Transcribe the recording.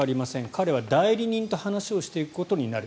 彼は代理人と話をしていくことになる。